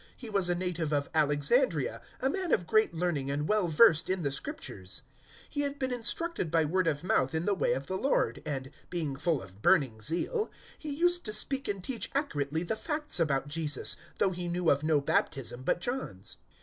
He was a native of Alexandria, a man of great learning and well versed in the Scriptures. 018:025 He had been instructed by word of mouth in the way of the Lord, and, being full of burning zeal, he used to speak and teach accurately the facts about Jesus, though he knew of no baptism but John's.